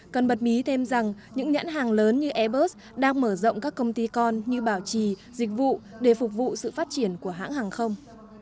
cần bật mí thêm rằng những nhãn hàng lớn như airbus đang mở rộng các công ty con như bảo trì dịch vụ để phục vụ sự phát triển của hãng hàng không